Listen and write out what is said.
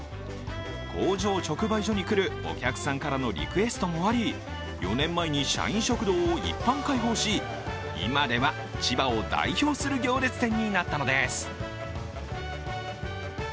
工場直売所に来るお客さんからのリクエストもあり４年前に社員食堂を一般開放し、今では千葉を代表する行列店になったのです。